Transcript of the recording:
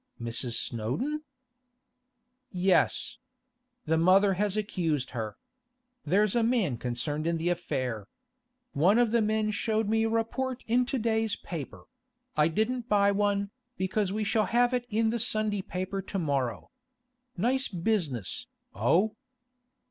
'Mrs. Snowdon?' 'Yes. The mother has accused her. There's a man concerned in the affair. One of the men showed me a report in to day's paper; I didn't buy one, because we shall have it in the Sunday paper to morrow. Nice business, oh?